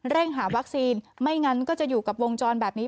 เร่งหาวัคซีนไม่งั้นก็จะอยู่กับวงจรแบบนี้